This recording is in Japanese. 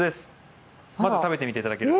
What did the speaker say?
まず食べてみていただければ。